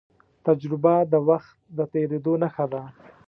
تجربه د وخت د تېرېدو نښه ده.